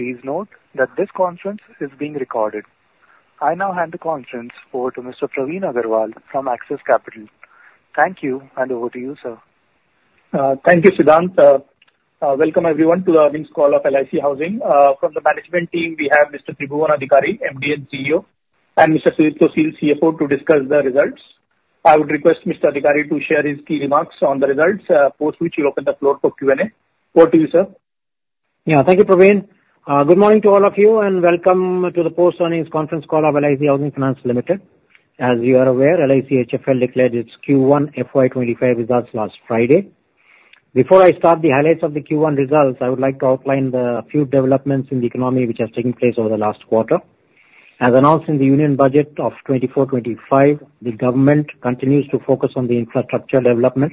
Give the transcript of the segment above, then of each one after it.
Please note that this conference is being recorded. I now hand the conference over to Mr. Praveen Agarwal from Axis Capital. Thank you, and over to you, sir. Thank you, Siddhant. Welcome, everyone, to the earnings call of LIC Housing. From the management team, we have Mr. Tribhuwan Adhikari, MD and CEO, and Mr. Sudipto Sil, CFO, to discuss the results. I would request Mr. Adhikari to share his key remarks on the results, post which he'll open the floor for Q&A. Over to you, sir. Yeah. Thank you, Praveen. Good morning to all of you, and welcome to the post-earnings conference call of LIC Housing Finance Limited. As you are aware, LIC HFL declared its Q1 FY25 results last Friday. Before I start the highlights of the Q1 results, I would like to outline the few developments in the economy which has taken place over the last quarter. As announced in the Union Budget of 2024-25, the government continues to focus on the infrastructure development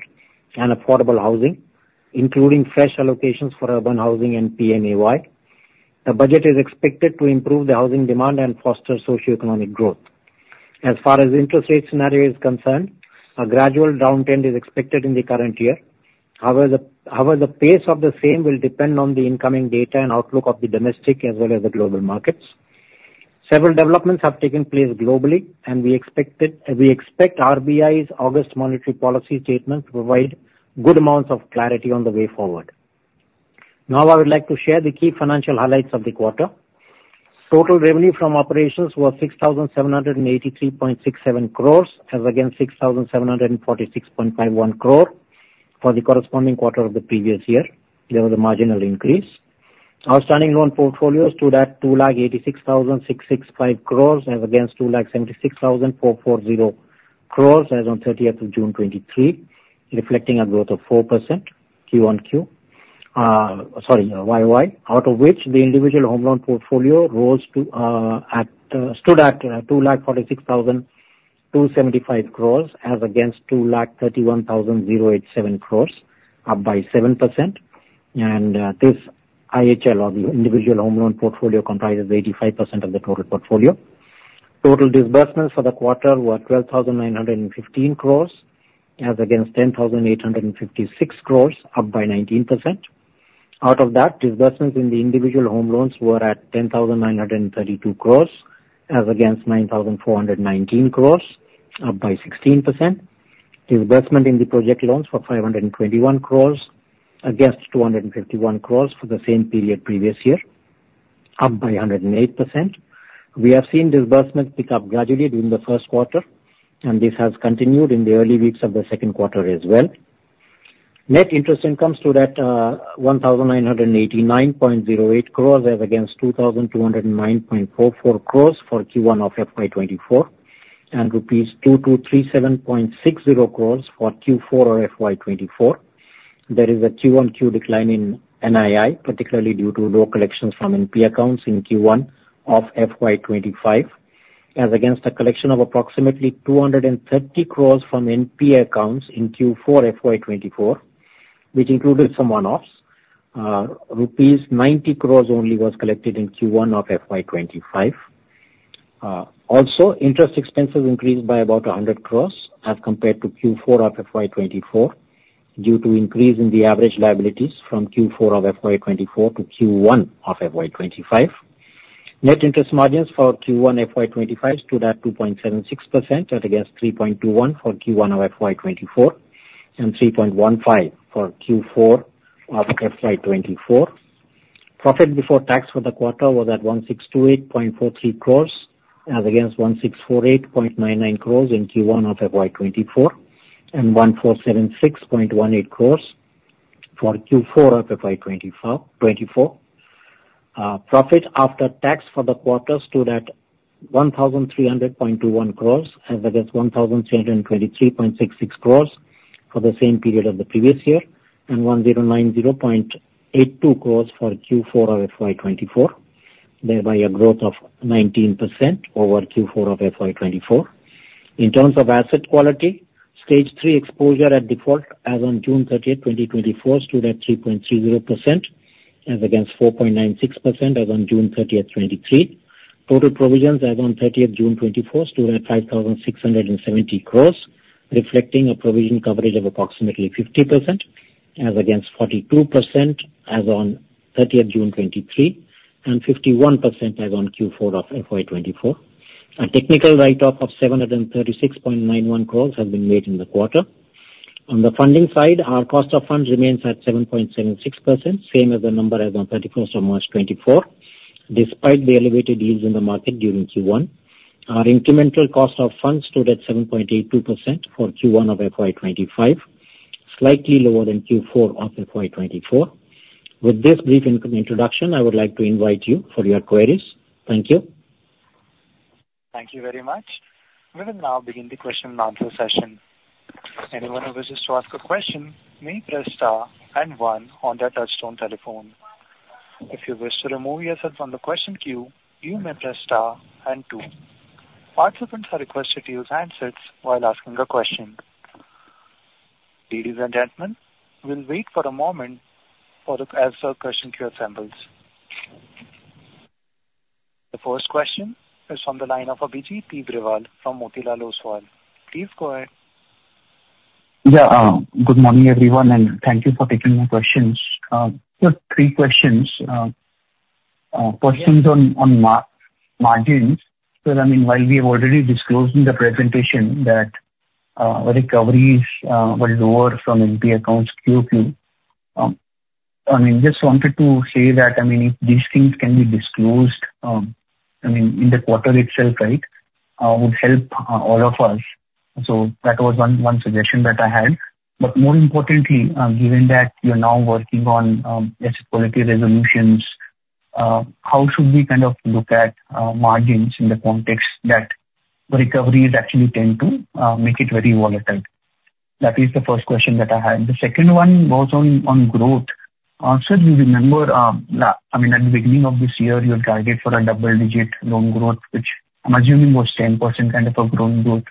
and affordable housing, including fresh allocations for urban housing and PMAY. The budget is expected to improve the housing demand and foster socioeconomic growth. As far as interest rate scenario is concerned, a gradual downtrend is expected in the current year. However, the pace of the same will depend on the incoming data and outlook of the domestic as well as the global markets. Several developments have taken place globally, and we expected, we expect RBI's August monetary policy statement to provide good amounts of clarity on the way forward. Now, I would like to share the key financial highlights of the quarter. Total revenue from operations were 6,783.67 crore, as against 6,746.51 crore for the corresponding quarter of the previous year. There was a marginal increase. Our standing loan portfolio stood at 286,665 crore, as against 276,440 crore as on thirtieth of June 2023, reflecting a growth of 4% Q-on-Q. Year-on-year, out of which the individual home loan portfolio rose to, stood at 246,275 crore, as against 231,087 crore, up by 7%. And this IHL or the individual home loan portfolio comprises 85% of the total portfolio. Total disbursements for the quarter were 12,915 crore, as against 10,856 crore, up by 19%. Out of that, disbursements in the individual home loans were at 10,932 crore, as against 9,419 crore, up by 16%. Disbursement in the project loans were 521 crore, against 251 crore for the same period previous year, up by 108%. We have seen disbursement pick up gradually during the first quarter, and this has continued in the early weeks of the second quarter as well. Net interest income stood at 1,989.08 crore, as against 2,209.44 crore for Q1 of FY 2024, and rupees 2,237.60 crore for Q4 of FY 2024. There is a Q1Q decline in NII, particularly due to low collections from NPA accounts in Q1 of FY 2025, as against a collection of approximately 230 crore from NPA accounts in Q4 FY 2024, which included some one-offs. Rupees 90 crore only was collected in Q1 of FY 2025. Also, interest expenses increased by about 100 crore as compared to Q4 of FY 2024, due to increase in the average liabilities from Q4 of FY 2024 to Q1 of FY 2025. Net interest margins for Q1 FY 2025 stood at 2.76%, as against 3.21% for Q1 of FY 2024, and 3.15% for Q4 of FY 2024. Profit before tax for the quarter was at 1,628.43 crore, as against 1,648.99 crore in Q1 of FY 2024, and 1,476.18 crore for Q4 of FY 2024. Profit after tax for the quarter stood at 1,300.21 crores, as against 1,223.66 crores for the same period of the previous year, and 1,090.82 crores for Q4 of FY 2024, thereby a growth of 19% over Q4 of FY 2024. In terms of asset quality, Stage 3 exposure at default as on June 30, 2024, stood at 3.30%, as against 4.96% as on June 30, 2023. Total provisions as on June 30, 2024, stood at 5,670 crores, reflecting a provision coverage of approximately 50%, as against 42% as on June 30, 2023, and 51% as on Q4 of FY 2024. A technical write-off of 736.91 crore has been made in the quarter. On the funding side, our cost of funds remains at 7.76%, same as the number as on 31st of March 2024, despite the elevated yields in the market during Q1. Our incremental cost of funds stood at 7.82% for Q1 of FY25, slightly lower than Q4 of FY24. With this brief introduction, I would like to invite you for your queries. Thank you. Thank you very much. We will now begin the question-and-answer session. Anyone who wishes to ask a question may press star and one on their touchtone telephone. If you wish to remove yourself from the question queue, you may press star and two. Participants are requested to use handsets while asking a question. Ladies and gentlemen, we'll wait for a moment, as the question queue assembles. The first question is from the line of Abhijit Tibrewal from Motilal Oswal. Please go ahead.... Yeah, good morning, everyone, and thank you for taking my questions. Just three questions. First things on margins. So, I mean, while we have already disclosed in the presentation that our recoveries were lower from NPA accounts QQ, I mean, just wanted to say that, I mean, if these things can be disclosed in the quarter itself, right, would help all of us. So that was one suggestion that I had. But more importantly, given that you're now working on asset quality resolutions, how should we kind of look at margins in the context that the recoveries actually tend to make it very volatile? That is the first question that I had. The second one was on growth. So do you remember, I mean, at the beginning of this year, your target for a double-digit loan growth, which I'm assuming was 10% kind of a grown growth,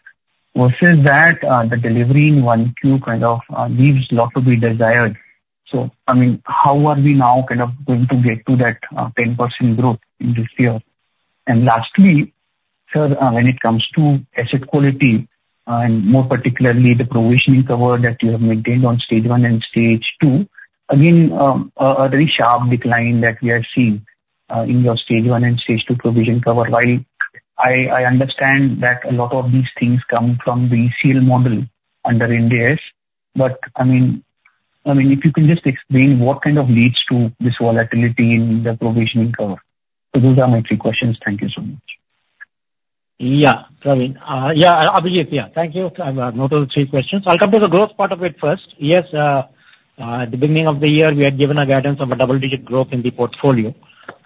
versus that, the delivery in one Q kind of leaves a lot to be desired. So, I mean, how are we now kind of going to get to that, 10% growth in this year? And lastly, sir, when it comes to asset quality, and more particularly, the provisioning cover that you have maintained on Stage 1 and Stage 2, again, a very sharp decline that we are seeing, in your Stage 1 and Stage 2 provision cover. While I understand that a lot of these things come from the ECL model under Ind AS, but I mean, if you can just explain what kind of leads to this volatility in the provision coverage. So those are my three questions. Thank you so much. Yeah. So, yeah, Abhijit, yeah. Thank you. I've noted the three questions. I'll come to the growth part of it first. Yes, at the beginning of the year, we had given a guidance of a double-digit growth in the portfolio,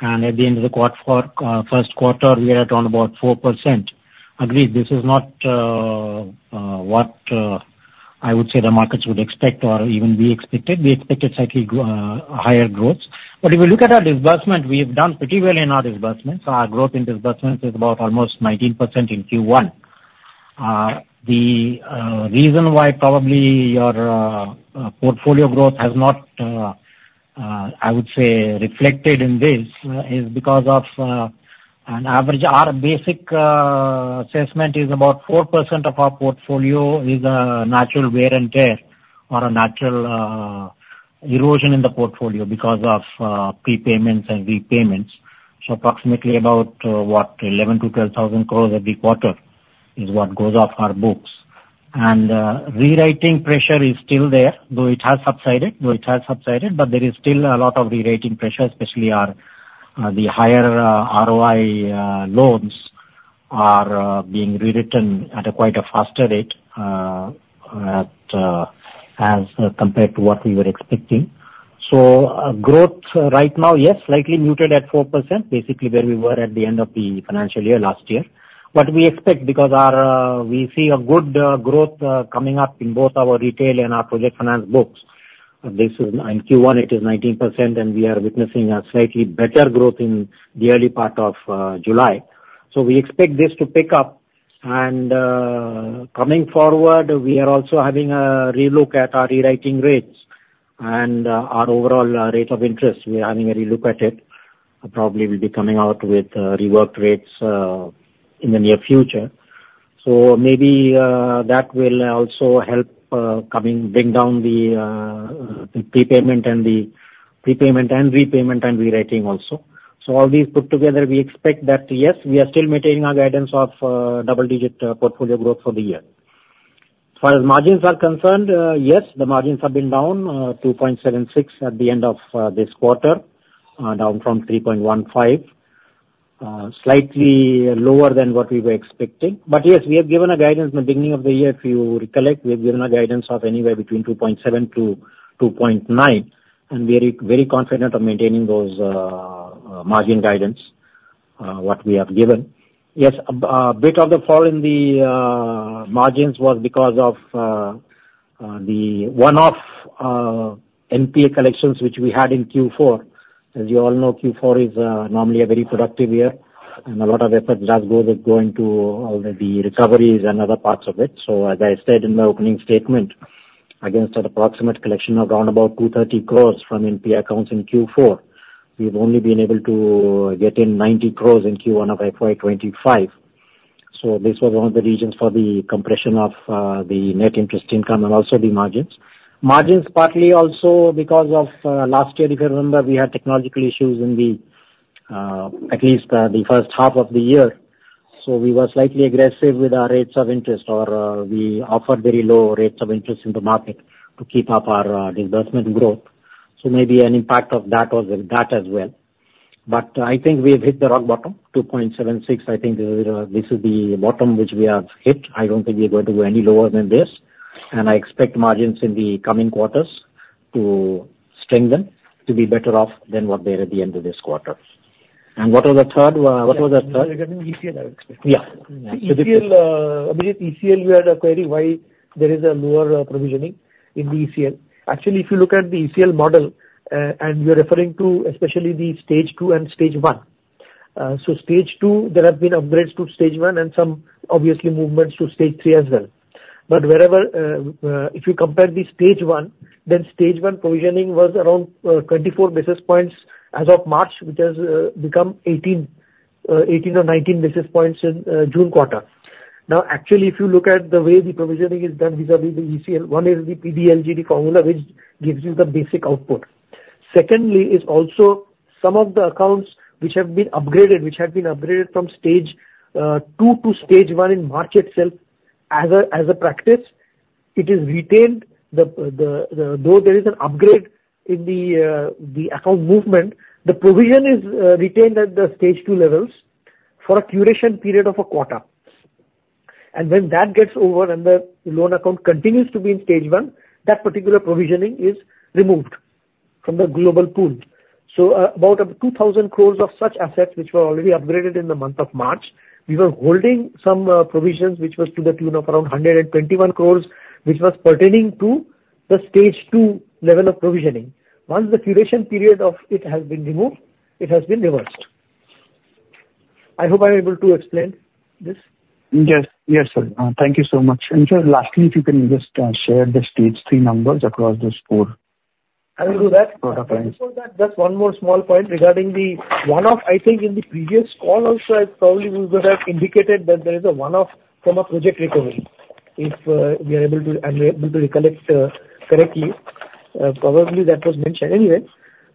and at the end of the quarter for the first quarter, we are at around about 4%. Agreed, this is not what I would say the markets would expect or even we expected. We expected slightly higher growth. But if you look at our disbursement, we've done pretty well in our disbursement. So our growth in disbursement is about almost 19% in Q1. The reason why probably your portfolio growth has not, I would say, reflected in this is because of an average. Our basic assessment is about 4% of our portfolio is natural wear and tear, or a natural erosion in the portfolio because of prepayments and repayments. So approximately about what? 11,000 crore-12,000 crore every quarter is what goes off our books. And rewriting pressure is still there, though it has subsided. Though it has subsided, but there is still a lot of rewriting pressure, especially our the higher ROI loans are being rewritten at a quite a faster rate, at as compared to what we were expecting. So growth right now, yes, slightly muted at 4%, basically where we were at the end of the financial year last year. But we expect because our, we see a good, growth, coming up in both our retail and our project finance books. This is in Q1, it is 19%, and we are witnessing a slightly better growth in the early part of, July. So we expect this to pick up. And, coming forward, we are also having a relook at our rewriting rates and, our overall, rate of interest. We are having a relook at it. Probably will be coming out with, reworked rates, in the near future. So maybe, that will also help, coming, bring down the, the prepayment and the prepayment and repayment and rewriting also. So all these put together, we expect that, yes, we are still maintaining our guidance of, double-digit, portfolio growth for the year. As far as margins are concerned, yes, the margins have been down 2.76 at the end of this quarter, down from 3.15. Slightly lower than what we were expecting. But yes, we have given a guidance in the beginning of the year. If you recollect, we have given a guidance of anywhere between 2.7-2.9, and we are very confident of maintaining those margin guidance what we have given. Yes, bit of the fall in the margins was because of the one-off NPA collections, which we had in Q4. As you all know, Q4 is normally a very productive year, and a lot of effort does go into all the recoveries and other parts of it. So as I said in my opening statement, against an approximate collection of around about 230 crore from NPA accounts in Q4, we've only been able to get in 90 crore in Q1 of FY 2025. So this was one of the reasons for the compression of, the net interest income and also the margins. Margins partly also because of, last year, if you remember, we had technological issues in the, at least the first half of the year. So we were slightly aggressive with our rates of interest, or, we offered very low rates of interest in the market to keep up our, disbursement growth. So maybe an impact of that was that as well. But I think we have hit the rock bottom, 2.76. I think, this is the bottom which we have hit. I don't think we're going to go any lower than this, and I expect margins in the coming quarters to strengthen, to be better off than what they are at the end of this quarter. What was the third one? What was the third? ECL, I would expect. Yeah. The ECL, Abhijit, ECL, we had a query why there is a lower provisioning in the ECL. Actually, if you look at the ECL model, and you're referring to especially the Stage 2 and Stage 1. So Stage 2, there have been upgrades to Stage 1, and some obviously movements to Stage 3 as well. But wherever, if you compare the Stage 1, then Stage 1 provisioning was around 24 basis points as of March, which has become 18... 18 or 19 basis points in June quarter. Now, actually, if you look at the way the provisioning is done vis-a-vis the ECL, one is the PD LGD formula, which gives you the basic output. Secondly, is also some of the accounts which have been upgraded, which have been upgraded from Stage 2 to Stage 1 in March itself, as a practice, it is retained. Though there is an upgrade in the account movement, the provision is retained at the Stage 2 levels for a curation period of a quarter. And when that gets over and the loan account continues to be in Stage 1, that particular provisioning is removed from the global pool. So, about 2,000 crore of such assets, which were already upgraded in the month of March, we were holding some provisions, which was to the tune of around 121 crore, which was pertaining to the Stage 2 level of provisioning. Once the curation period of it has been removed, it has been reversed. I hope I'm able to explain this. Yes. Yes, sir. Thank you so much. And sir, lastly, if you can just share the Stage 3 numbers across this four? I will do that. Okay. Before that, just one more small point regarding the one-off. I think in the previous call also, I probably would have indicated that there is a one-off from a project recovery. If we are able to—I'm able to recollect correctly, probably that was mentioned anyway,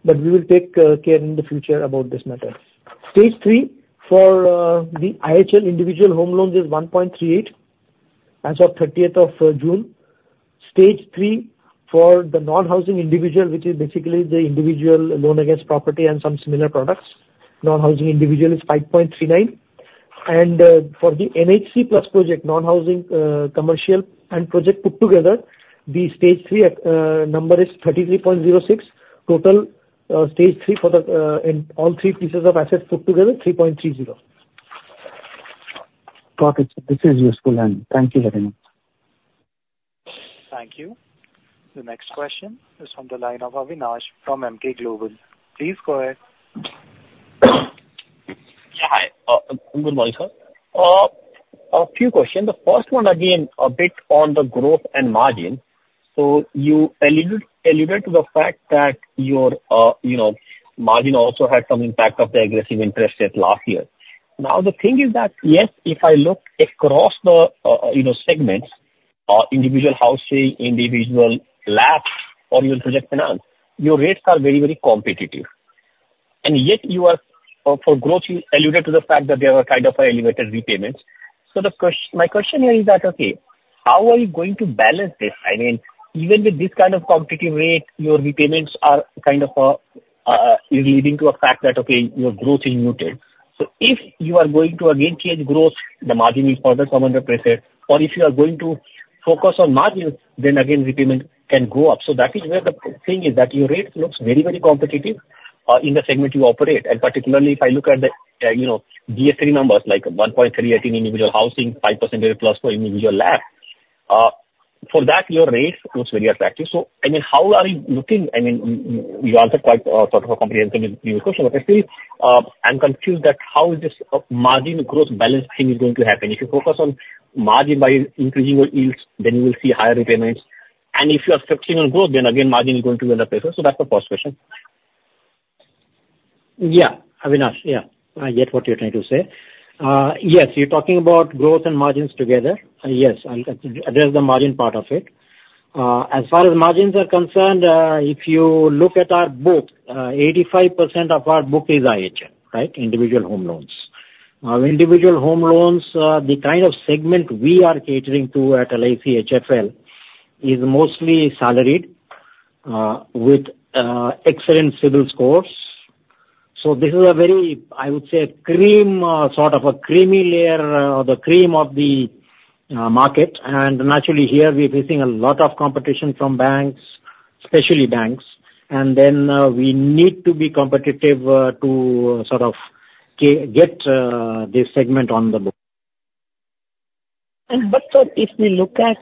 but we will take care in the future about this matter. Stage 3 for the IHL, individual home loans, is 1.38 as of thirtieth of June. Stage 3 for the non-housing individual, which is basically the individual loan against property and some similar products, non-housing individual is 5.39. And for the NHC plus project, non-housing commercial and project put together, the Stage 3 number is 33.06. Total Stage 3 for the in all three pieces of assets put together, 3.30. Got it. This is useful, and thank you very much. Thank you. The next question is on the line of Avinash from Emkay Global. Please go ahead. Yeah, hi. Good morning, sir. A few questions. The first one, again, a bit on the growth and margin. So you alluded to the fact that your, you know, margin also had some impact of the aggressive interest rate last year. Now, the thing is that, yes, if I look across the, you know, segments, individual housing, individual LAPs or even project finance, your rates are very, very competitive. And yet you are, for growth, you alluded to the fact that there were kind of elevated repayments. So my question here is that, okay, how are you going to balance this? I mean, even with this kind of competitive rate, your repayments are kind of leading to a fact that, okay, your growth is muted. So if you are going to again change growth, the margin is further come under pressure, or if you are going to focus on margin, then again, repayment can go up. So that is where the thing is, that your rate looks very, very competitive in the segment you operate. And particularly, if I look at the, you know, Stage 3 numbers, like 1.38 in individual housing, 5%+ for individual LAP, for that, your rate looks very attractive. So, I mean, how are you looking? I mean, you answered quite, sort of comprehensively in your question, but I still, I'm confused that how is this, margin growth balance thing is going to happen. If you focus on margin by increasing your yields, then you will see higher repayments, and if you are focusing on growth, then again, margin is going to be under pressure. So that's the first question. Yeah, Avinash. Yeah, I get what you're trying to say. Yes, you're talking about growth and margins together. Yes, I'll address the margin part of it. As far as margins are concerned, if you look at our book, 85% of our book is IHL, right? Individual home loans. Individual home loans, the kind of segment we are catering to at LIC HFL is mostly salaried, with excellent CIBIL scores. So this is a very, I would say, cream, sort of a creamy layer, or the cream of the market. And naturally here, we're facing a lot of competition from banks, especially banks. And then, we need to be competitive, to sort of get this segment on the book. But sir, if we look at,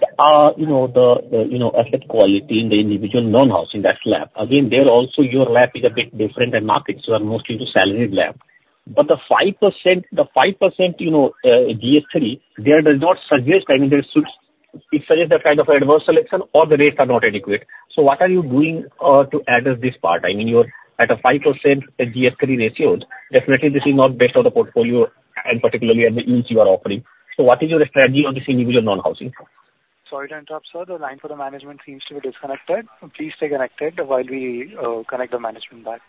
you know, the you know, asset quality in the individual non-housing, that LAP, again, there also your LAP is a bit different than markets, so are mostly the salaried LAP. But the 5%, the 5%, you know, Stage 3, there does not suggest, I mean, there should... It suggests a kind of adverse selection or the rates are not adequate. So what are you doing, to address this part? I mean, you're at a 5% Stage 3 ratios. Definitely this is not based on the portfolio and particularly at the yields you are offering. So what is your strategy on this individual non-housing? Sorry to interrupt, sir. The line for the management seems to be disconnected. Please stay connected while we connect the management back....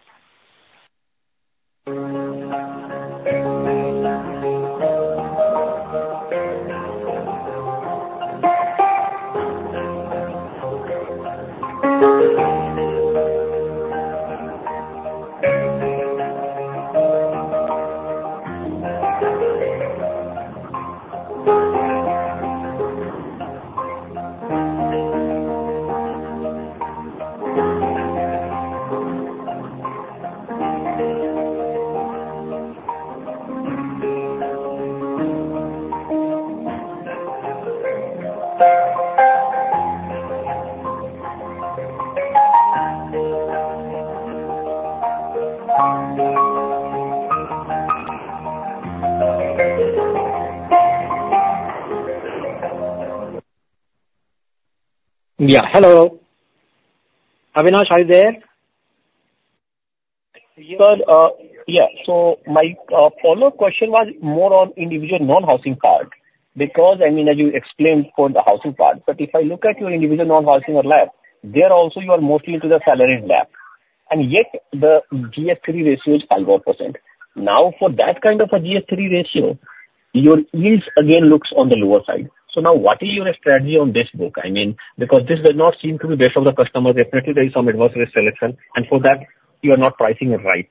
Yeah. Hello. Avinash, are you there? Sir, yeah, so my follow-up question was more on individual non-housing part, because, I mean, as you explained for the housing part, but if I look at your individual non-housing or LAP, there also you are mostly into the salaried LAP. And yet the Stage 3 ratio is 5 odd %. Now, for that kind of a Stage 3 ratio, your yields again looks on the lower side. So now what is your strategy on this book? I mean, because this does not seem to be best for the customer, definitely there is some adverse selection, and for that you are not pricing it right.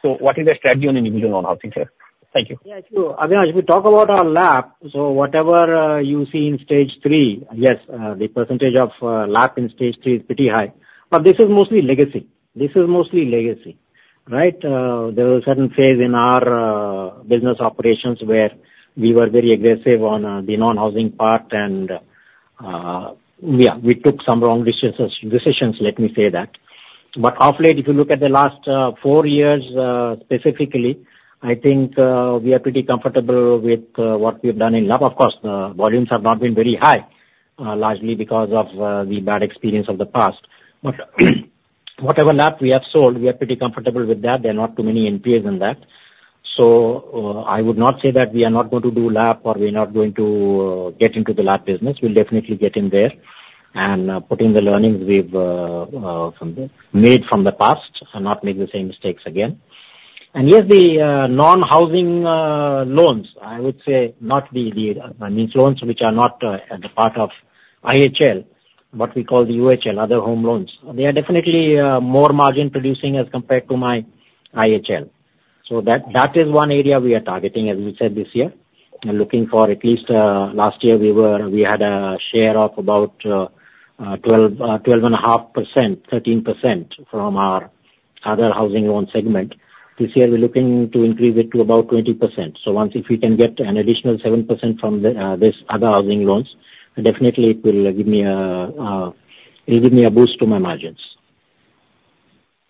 So what is the strategy on individual non-housing, sir? Thank you. Yeah, sure. Avinash, if you talk about our LAP, so whatever you see in Stage 3, yes, the percentage of LAP in Stage 3 is pretty high, but this is mostly legacy. This is mostly legacy, right? There was a certain phase in our business operations where we were very aggressive on the non-housing part and, yeah, we took some wrong decisions, decisions, let me say that. But of late, if you look at the last four years, specifically, I think we are pretty comfortable with what we've done in LAP. Of course, volumes have not been very high, largely because of the bad experience of the past. But whatever LAP we have sold, we are pretty comfortable with that. There are not too many NPAs in that. So, I would not say that we are not going to do LAP, or we are not going to get into the LAP business. We'll definitely get in there and put in the learnings we've made from the past and not make the same mistakes again. And yes, the non-housing loans, I would say, I mean, loans which are not the part of IHL, what we call the OHL, other home loans. They are definitely more margin-producing as compared to my IHL. So that is one area we are targeting, as we said this year, and looking for at least last year we had a share of about 12, 12.5%, 13% from our other housing loan segment. This year, we're looking to increase it to about 20%. So once if we can get an additional 7% from this other housing loans, definitely it will give me a boost to my margins.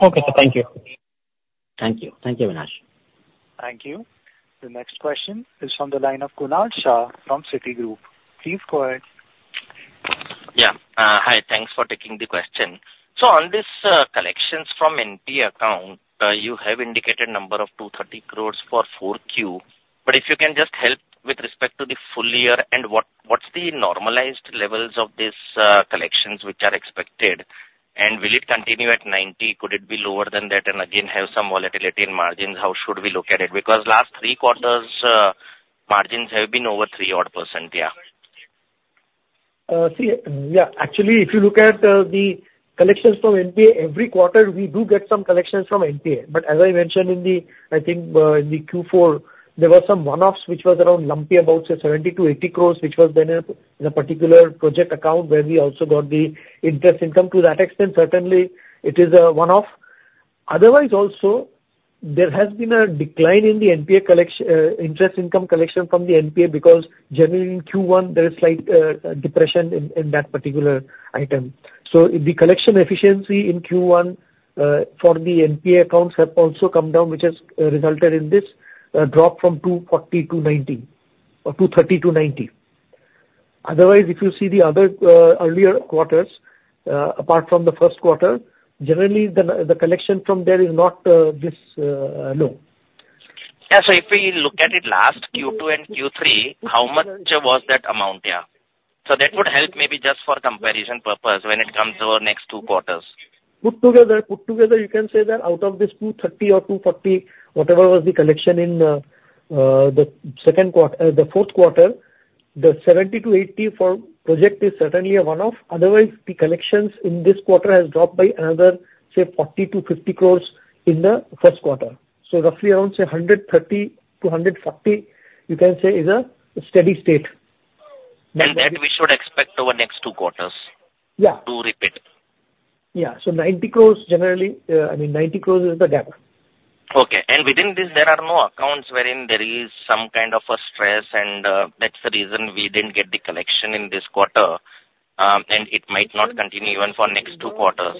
Okay, sir. Thank you. Thank you. Thank you, Avinash. Thank you. The next question is from the line of Kunal Shah from Citigroup. Please go ahead. Yeah. Hi, thanks for taking the question. So on this, collections from NPA account, you have indicated number of 230 crore for Q4. But if you can just help with respect to the full year, and what, what's the normalized levels of this, collections which are expected? And will it continue at 90? Could it be lower than that and again have some volatility in margins? How should we look at it? Because last three quarters, margins have been over 3 odd%, yeah. Actually, if you look at the collections from NPA, every quarter we do get some collections from NPA. But as I mentioned in the, I think, in the Q4, there were some one-offs, which was around lumpy, about, say, 70 crore-80 crore, which was then in a particular project account, where we also got the interest income. To that extent, certainly, it is a one-off. Otherwise, also, there has been a decline in the NPA interest income collection from the NPA, because generally in Q1, there is slight depression in that particular item. So the collection efficiency in Q1 for the NPA accounts have also come down, which has resulted in this drop from 240-90, or 230-90. Otherwise, if you see the other, earlier quarters, apart from the first quarter, generally the, the collection from there is not, this, low. Yeah, so if we look at it last Q2 and Q3, how much was that amount, yeah? So that would help maybe just for comparison purpose when it comes over next two quarters. Put together, you can say that out of this 230 or 240, whatever was the collection in the fourth quarter, the 70-80 for project is certainly a one-off. Otherwise, the collections in this quarter has dropped by another, say, 40-50 crore in the first quarter. So roughly around, say, 130-140, you can say is a steady state. That we should expect over next two quarters. Yeah. -to repeat. Yeah. So 90 crore generally, I mean, 90 crore is the gap. Okay. And within this, there are no accounts wherein there is some kind of a stress and that's the reason we didn't get the collection in this quarter, and it might not continue even for next two quarters.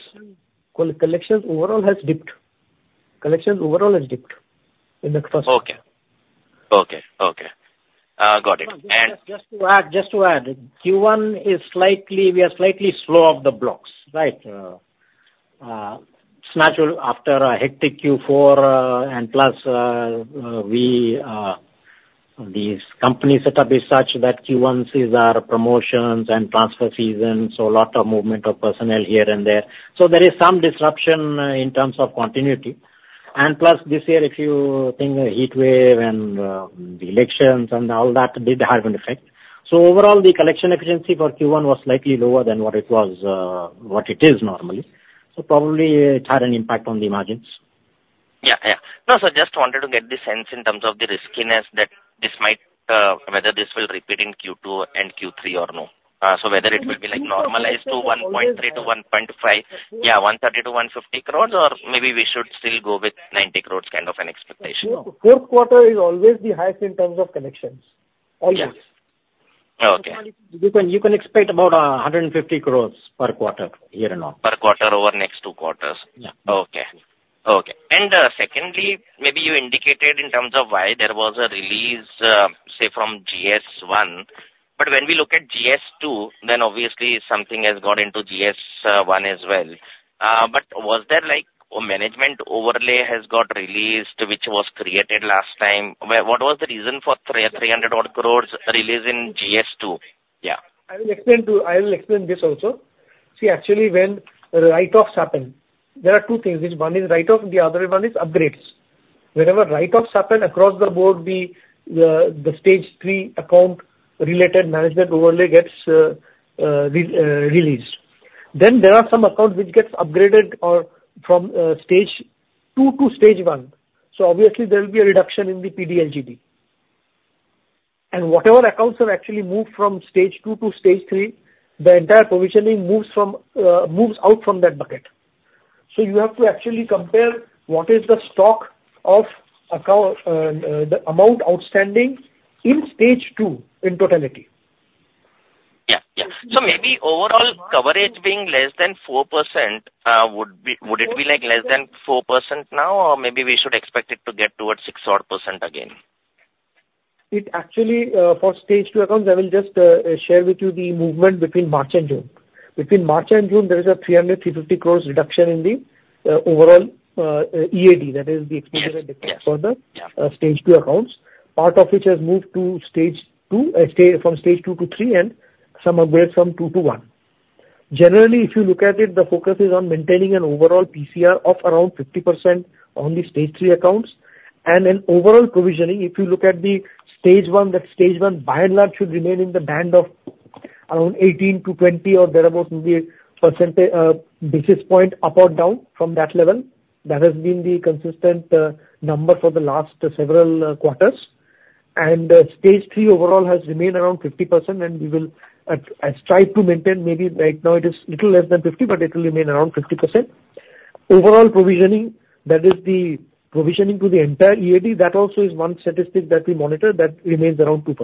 Collections overall has dipped in the first- Okay. Okay, okay. Got it. And- Just to add, Q1 is slightly, we are slightly slow off the blocks, right? It's natural after a hectic Q4, and plus, we... This company set up is such that Q1 is our promotions and transfer season, so a lot of movement of personnel here and there. So there is some disruption in terms of continuity. And plus, this year, if you think the heatwave and the elections and all that did have an effect. So overall, the collection efficiency for Q1 was slightly lower than what it was, what it is normally. So probably it had an impact on the margins. Yeah, yeah. No, so just wanted to get the sense in terms of the riskiness that this might, whether this will repeat in Q2 and Q3 or no. So whether it will be like normalized to 1.3-1.5- Yeah, 130 crores-150 crores, or maybe we should still go with 90 crores kind of an expectation. Fourth quarter is always the highest in terms of collections. Always. Yeah. Okay. You can, you can expect about 150 crore per quarter, year-on-year. Per quarter over next two quarters? Yeah. Okay. Secondly, maybe you indicated in terms of why there was a release, say from Stage 1, but when we look at Stage 2, then obviously something has gone into Stage 1 as well. But was there like a management overlay has got released, which was created last time? What was the reason for 300-odd crore release in Stage 2? Yeah. I will explain this also. See, actually, when write-offs happen, there are two things, which one is write-off, and the other one is upgrades. Whenever write-offs happen across the board, the Stage 3 account related management overlay gets released. Then there are some accounts which gets upgraded or from Stage 2 to Stage 1, so obviously there will be a reduction in the PDLGD. And whatever accounts have actually moved from Stage 2 to Stage 3, the entire provisioning moves out from that bucket. So you have to actually compare what is the stock of account, the amount outstanding in Stage 2 in totality. Yeah, yeah. So maybe overall coverage being less than 4%, would it be, like, less than 4% now? Or maybe we should expect it to get towards 6-odd% again. It actually, for Stage 2 accounts, I will just, share with you the movement between March and June. Between March and June, there is a 300 crores-350 crores reduction in the, overall, EAD, that is the exposure and declines- Yeah. For the Stage 2 accounts, part of which has moved to Stage 2, stay from Stage 2 to 3, and some upgrades from two to one. Generally, if you look at it, the focus is on maintaining an overall PCR of around 50% on the Stage 3 accounts. In overall provisioning, if you look at the Stage 1, that Stage 1, by and large, should remain in the band of around 18%-20% or thereabout will be a percent basis point up or down from that level. That has been the consistent number for the last several quarters. Stage 3 overall has remained around 50%, and we will strive to maintain maybe right now it is little less than 50%, but it will remain around 50%. Overall provisioning, that is the provisioning to the entire EAD, that also is one statistic that we monitor that remains around 2%.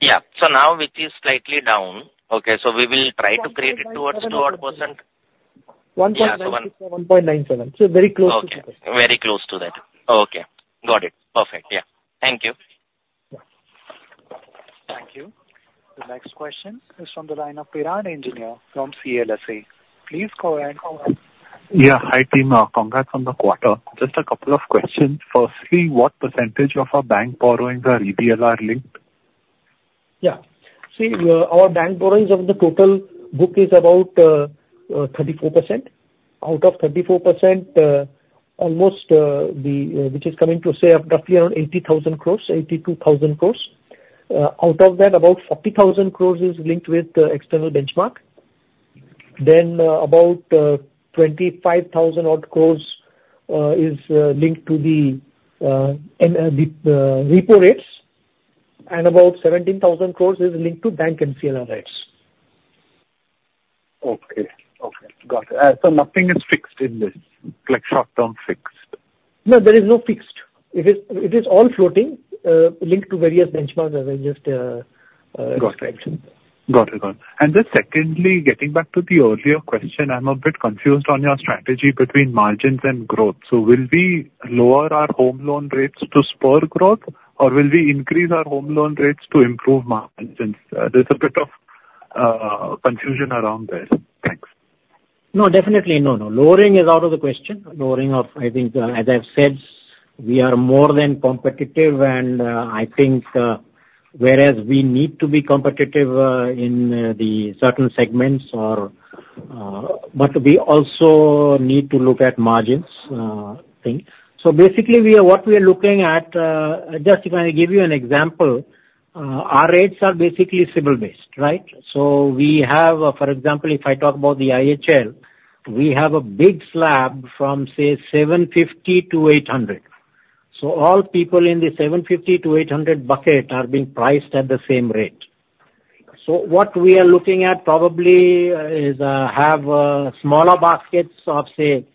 Yeah. So now, which is slightly down. Okay, so we will try to create towards 2-odd%. 1.96% or 1.97%. Yeah, so one- Very close to that. Okay, very close to that. Okay, got it. Perfect. Yeah. Thank you. Thank you. The next question is from the line of Piran Engineer from CLSA. Please go ahead. Yeah. Hi, team. Congrats on the quarter. Just a couple of questions. Firstly, what percentage of our bank borrowings are EBLR linked? Yeah. See, our bank borrowings of the total book is about 34%. Out of 34%, almost which is coming to, say, roughly around 80,000 crore-82,000 crore. Out of that, about 40,000 crore is linked with external benchmark. Then, about 25,000-odd crore is linked to the repo rates, and about 17,000 crore is linked to bank MCLR rates. Okay. Okay, got it. So nothing is fixed in this, like short-term fixed? No, there is no fixed. It is, it is all floating, linked to various benchmarks, as I just described. Got it. Got it, got it. And then secondly, getting back to the earlier question, I'm a bit confused on your strategy between margins and growth. So will we lower our home loan rates to spur growth, or will we increase our home loan rates to improve margins? There's a bit of confusion around this. Thanks. No, definitely no, no. Lowering is out of the question. Lowering of... I think, as I've said, we are more than competitive, and, I think, whereas we need to be competitive, in, the certain segments or... But we also need to look at margins, thing. So basically, we are, what we are looking at, just to kind of give you an example, our rates are basically CIBIL based, right? So we have, for example, if I talk about the IHL, we have a big slab from, say, 750 to 800. So all people in the 750 to 800 bucket are being priced at the same rate. So what we are looking at probably is to have smaller baskets of, say,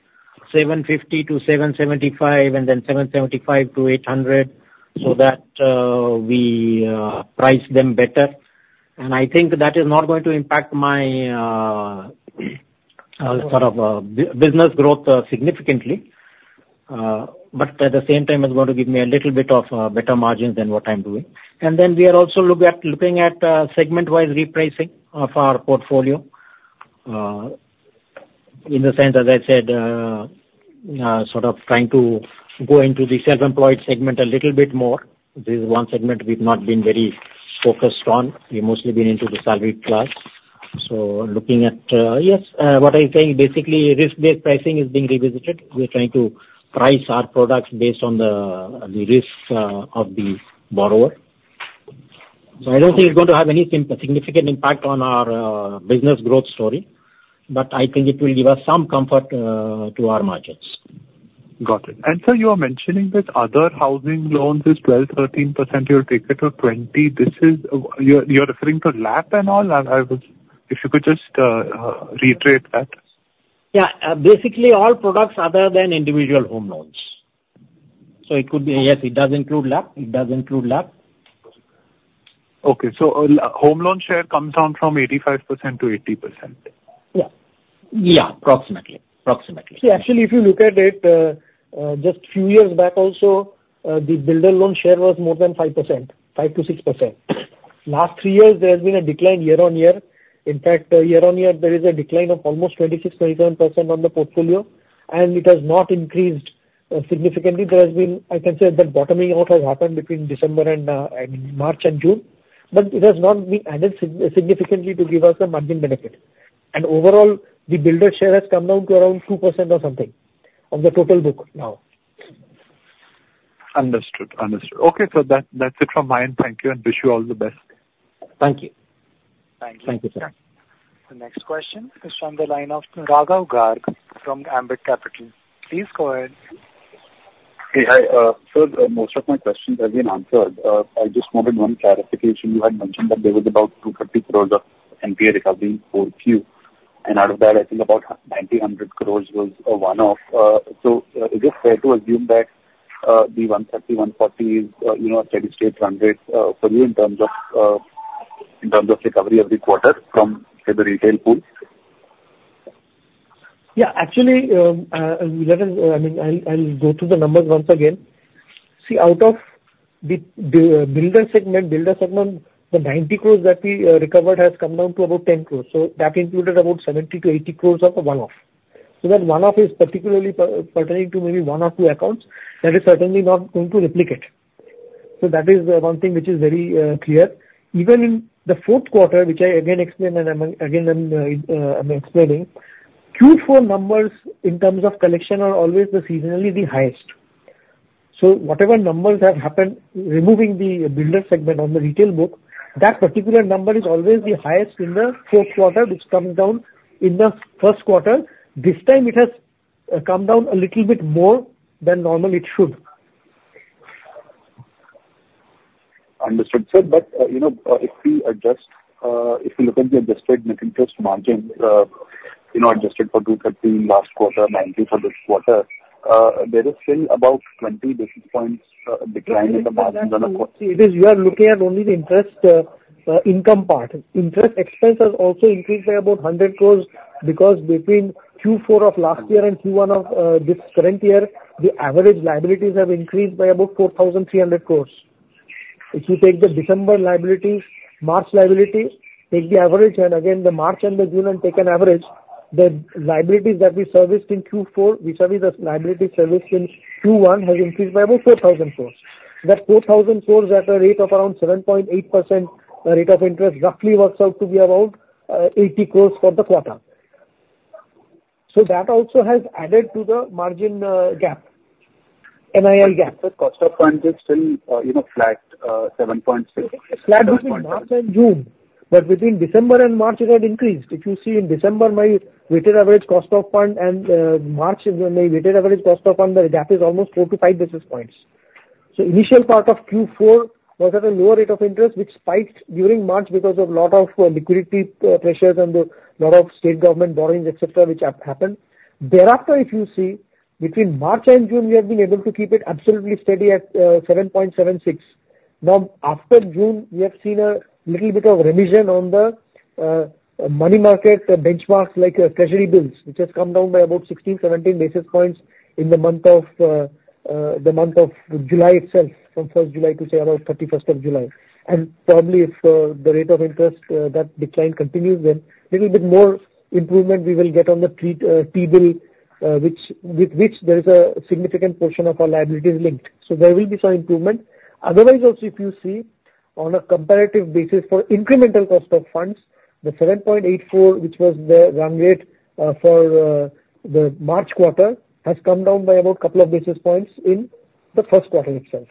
7.50-7.75, and then 7.75-8.00, so that we price them better. And I think that is not going to impact my sort of business growth significantly. But at the same time, it's going to give me a little bit of better margins than what I'm doing. And then we are also looking at segment-wise repricing of our portfolio. In the sense, as I said, sort of trying to go into the self-employed segment a little bit more. This is one segment we've not been very focused on. We've mostly been into the salaried class. So, yes, what I'm saying, basically, risk-based pricing is being revisited. We're trying to price our products based on the risks of the borrower. So I don't think it's going to have any significant impact on our business growth story, but I think it will give us some comfort to our margins. Got it. And sir, you are mentioning that other housing loans is 12-13%, you'll take it to 20. This is, you're referring to LAP and all? I was... If you could just, reiterate that. Yeah. Basically, all products other than individual home loans. So it could be... Yes, it does include LAP, it does include LAP.... Okay, so, home loan share comes down from 85% to 80%? Yeah. Yeah, approximately. Approximately. See, actually, if you look at it, just few years back also, the builder loan share was more than 5%, 5%-6%. Last three years, there has been a decline year-over-year. In fact, year-over-year, there is a decline of almost 26%-27% on the portfolio, and it has not increased, significantly. There has been, I can say the bottoming out has happened between December and, and March and June, but it has not been added significantly to give us a margin benefit. And overall, the builder share has come down to around 2% or something, of the total book now. Understood. Understood. Okay, so that, that's it from my end. Thank you, and wish you all the best. Thank you. Thank you. Thank you, sir. The next question is from the line of Raghav Garg from Ambit Capital. Please go ahead. Hey, hi, sir, most of my questions have been answered. I just wanted one clarification. You had mentioned that there was about 250 crore of NPA recovery for Q, and out of that, I think about 90-100 crore was a one-off. So, is it fair to assume that, the 130 crore-140 crore is, you know, a steady state run rate, for you in terms of, in terms of recovery every quarter from the retail pool? Yeah, actually, let us, I mean, I'll, I'll go through the numbers once again. See, out of the builder segment, builder segment, the 90 crore that we recovered has come down to about 10 crore, so that included about 70 crore-80 crore of the one-off. So that one-off is particularly pertaining to maybe one or two accounts, that is certainly not going to replicate. So that is one thing which is very clear. Even in the fourth quarter, which I again explained, and again, I'm explaining, Q4 numbers in terms of collection are always seasonally the highest. So whatever numbers have happened, removing the builder segment on the retail book, that particular number is always the highest in the fourth quarter, which come down in the first quarter. This time it has come down a little bit more than normally it should. Understood, sir. But, you know, if we adjust, if you look at the adjusted net interest margin, you know, adjusted for 213 last quarter, 90 for this quarter, there is still about 20 basis points, decline in the margin- It is, you are looking at only the interest income part. Interest expense has also increased by about 100 crore, because between Q4 of last year and Q1 of this current year, the average liabilities have increased by about 4,300 crore. If you take the December liability, March liability, take the average, and again, the March and the June and take an average, the liabilities that we serviced in Q4, we service the liability service in Q1 has increased by about 4,000 crore. That 4,000 crore at a rate of around 7.8% rate of interest, roughly works out to be around eighty crores for the quarter. So that also has added to the margin gap, nil gap. The cost of funds is still, you know, flat, 7.6. Flat between March and June, but between December and March it had increased. If you see in December, my weighted average cost of fund, and, March, my weighted average cost of fund, the gap is almost 4-5 basis points. So initial part of Q4 was at a lower rate of interest, which spiked during March because of lot of, liquidity, pressures and the lot of state government borrowings, et cetera, which have happened. Thereafter, if you see, between March and June, we have been able to keep it absolutely steady at, 7.76. Now, after June, we have seen a little bit of revision on the money market benchmarks, like Treasury Bills, which has come down by about 16-17 basis points in the month of July itself, from 1 July to, say, around 31st of July. And probably if the rate of interest that decline continues, then little bit more improvement we will get on the 3-month T-bill, which with which there is a significant portion of our liability is linked. So there will be some improvement. Otherwise, also, if you see on a comparative basis for incremental cost of funds, the 7.84, which was the run rate for the March quarter, has come down by about couple of basis points in the first quarter itself.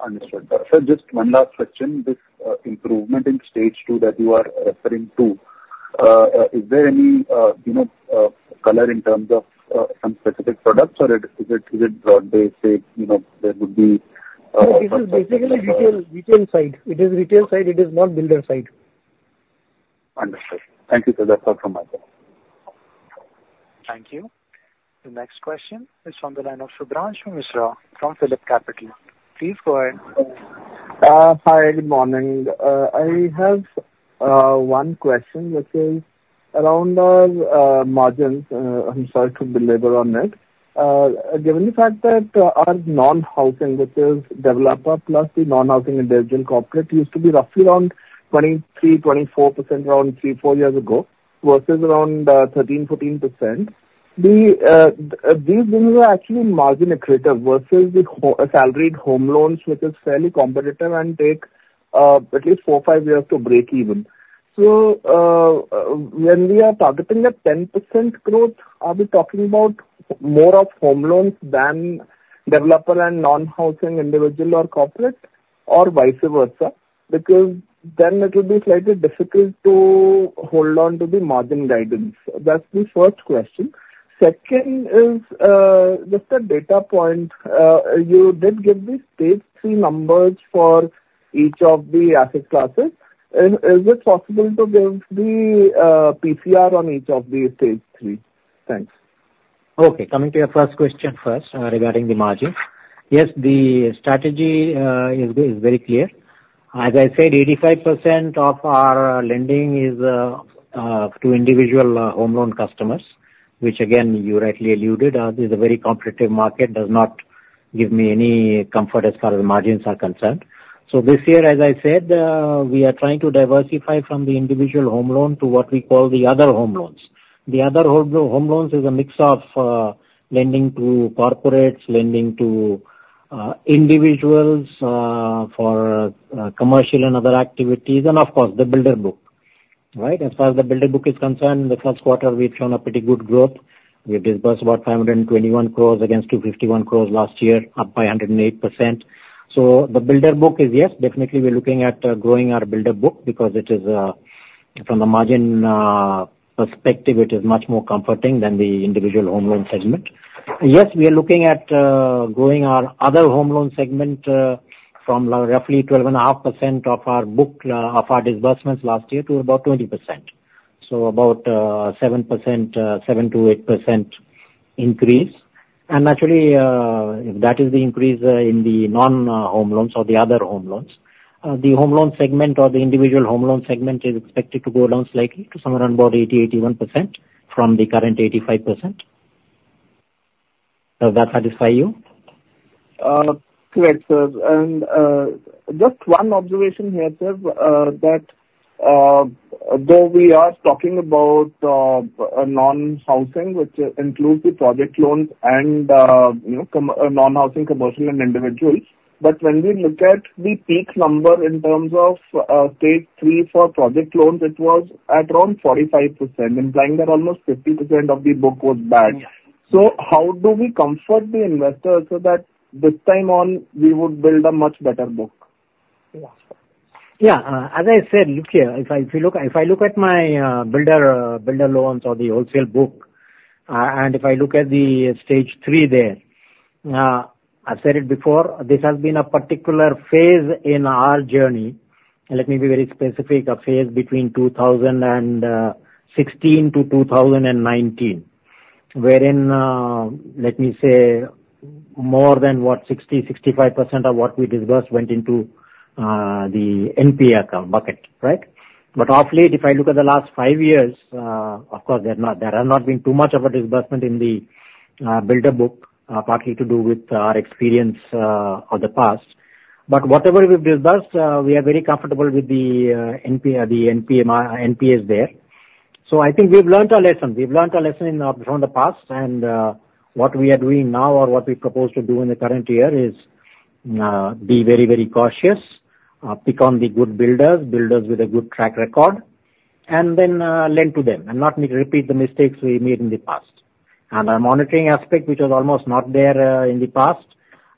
Understood. Sir, just one last question. This, improvement in Stage 2 that you are referring to, is there any, you know, color in terms of, some specific products, or it, is it, is it broad-based, say, you know, there would be, No, this is basically retail, retail side. It is retail side, it is not builder side. Understood. Thank you, sir. That's all from my side. Thank you. The next question is from the line of Shubhranshu Mishra from PhillipCapital. Please go ahead. Hi, good morning. I have one question, which is around our margins. I'm sorry to belabor on it. Given the fact that our non-housing, which is developer plus the non-housing and debt and corporate, used to be roughly around 23%-24% around three, four years ago, versus around 13%-14%. These things are actually margin accretive versus the salaried home loans, which is fairly competitive and take at least four, five years to break even. So, when we are targeting a 10% growth, are we talking about more of home loans than developer and non-housing, individual or corporate, or vice versa? Because then it will be slightly difficult to hold on to the margin guidance. That's the first question. Second is just a data point. You did give the Stage 3 numbers for each of the asset classes. Is it possible to give the PCR on each of the Stage 3? Thanks.... Okay, coming to your first question first, regarding the margins. Yes, the strategy is very, very clear. As I said, 85% of our lending is to individual home loan customers, which again, you rightly alluded, is a very competitive market, does not give me any comfort as far as margins are concerned. So this year, as I said, we are trying to diversify from the individual home loan to what we call the other home loans. The other home loans is a mix of lending to corporates, lending to individuals for commercial and other activities, and of course, the builder book, right? As far as the builder book is concerned, in the first quarter, we've shown a pretty good growth. We disbursed about 521 crore against 251 crore last year, up by 108%. So the builder book is, yes, definitely we're looking at growing our builder book because it is from a margin perspective, it is much more comforting than the individual home loan segment. Yes, we are looking at growing our other home loan segment from roughly 12.5% of our book of our disbursements last year, to about 20%. So about seven percent, seven to eight percent increase. And actually, that is the increase in the non home loans or the other home loans. The home loan segment or the individual home loan segment is expected to go down slightly to somewhere around about 80%-81% from the current 85%. Does that satisfy you? Correct, sir. And just one observation here, sir, that though we are talking about non-housing, which includes the project loans and you know, commercial and individuals, but when we look at the peak number in terms of Stage 3 for project loans, it was at around 45%, implying that almost 50% of the book was bad. Yeah. How do we comfort the investors so that this time on, we would build a much better book? Yeah. Yeah, as I said, look here, if I, if you look, if I look at my, builder, builder loans or the wholesale book, and if I look at the Stage 3 there, I've said it before, this has been a particular phase in our journey. Let me be very specific, a phase between 2016 to 2019, wherein, let me say, more than what, 60%-65% of what we disbursed went into, the NPA account bucket, right? But of late, if I look at the last five years, of course, there's not, there has not been too much of a disbursement in the, builder book, partly to do with our experience, of the past. But whatever we've disbursed, we are very comfortable with the, NPA, the NPMR, NPAs there. So I think we've learned our lesson. We've learned our lesson from the past, and what we are doing now or what we propose to do in the current year is be very, very cautious, pick on the good builders, builders with a good track record, and then lend to them and not re-repeat the mistakes we made in the past. Our monitoring aspect, which was almost not there in the past,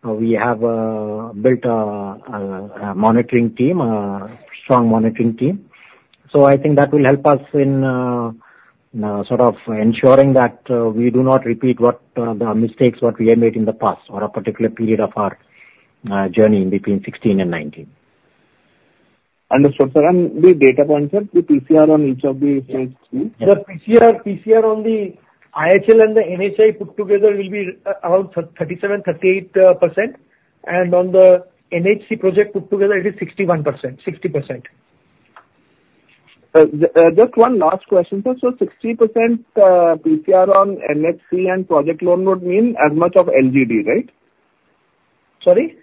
we have built a monitoring team, a strong monitoring team. I think that will help us in sort of ensuring that we do not repeat the mistakes what we have made in the past or a particular period of our journey between 2016 and 2019. Understood, sir. The data points, sir, the PCR on each of the Stage 2? The PCR, PCR on the IHL and the NHI put together will be around 37%-38%. On the NHC project put together, it is 61%, 60%. Just one last question, sir. So 60% PCR on NHC and project loan would mean as much of LGD, right? Sorry?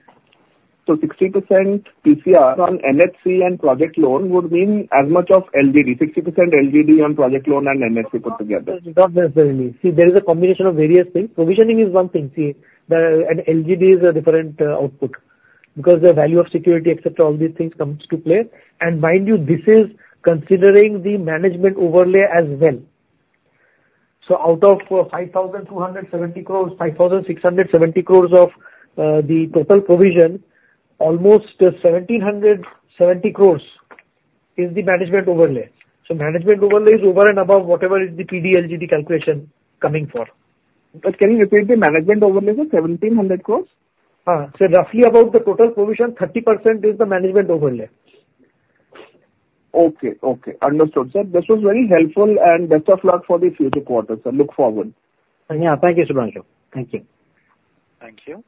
So 60% PCR on NHC and project loan would mean as much of LGD, 60% LGD on project loan and NHC put together. Not necessarily. See, there is a combination of various things. Provisioning is one thing, see, and LGD is a different output, because the value of security, et cetera, all these things comes to play. And mind you, this is considering the management overlay as well. So out of 5,270 crore, 5,670 crore of the total provision, almost 1,770 crore is the management overlay. So management overlay is over and above whatever is the PDLGD calculation coming for. Can you repeat the management overlay, is it 1,700 crore? So roughly about the total provision, 30% is the management overlay. Okay. Okay, understood, sir. This was very helpful, and best of luck for the future quarters. I look forward. Yeah, thank you, Shubhranshu. Thank you. Thank you.